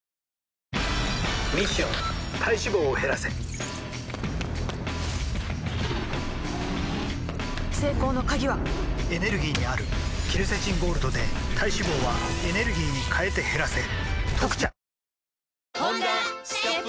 ミッション体脂肪を減らせ成功の鍵はエネルギーにあるケルセチンゴールドで体脂肪はエネルギーに変えて減らせ「特茶」